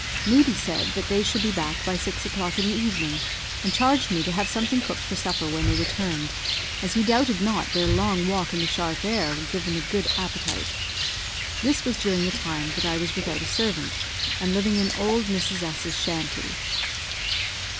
Moodie said that they should be back by six o'clock in the evening, and charged me to have something cooked for supper when they returned, as he doubted not their long walk in the sharp air would give them a good appetite. This was during the time that I was without a servant, and living in old Mrs. 's shanty.